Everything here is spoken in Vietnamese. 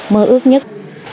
mơ ước nhất